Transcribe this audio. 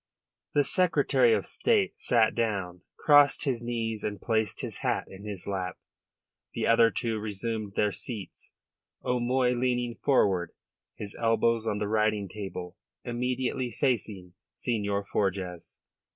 The Secretary of State sat down, crossed his knees and placed his hat in his lap. The other two resumed their seats, O'Moy leaning forward, his elbows on the writing table, immediately facing Senhor Forjas.